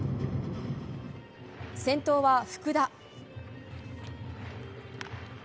先頭は福田。